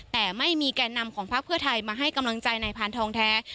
แต่ไม่มีแกนนำของภาครับไทยมาให้กำลังใจในผ่านทองแท้